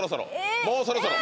もうそろそろ！